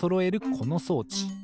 この装置。